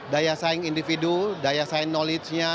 daya saing individu daya saing knowledge nya